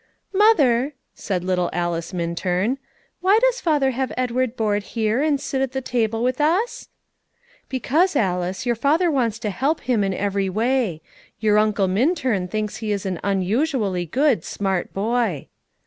"Mother," said little Alice Minturn, "why does father have Edward board here, and sit at the table with us?" "Because, Alice, your father wants to help him in every way; your uncle Minturn thinks he is an unusually good, smart boy."